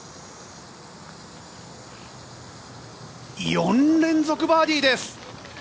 ４連続バーディーです。